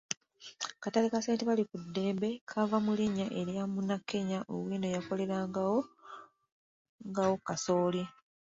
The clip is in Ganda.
Akatale St. Balikuddembe kaava mu linnya eryo'munna Kenya Owino eyayokera ngawo kasooli.